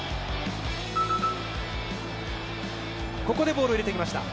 ここでボールを入れてきました。